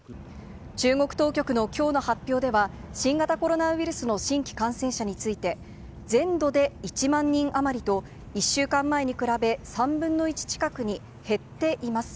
中国当局のきょうの発表では、新型コロナウイルスの新規感染者について、全土で１万人余りと、１週間前に比べ、３分の１近くに減っています。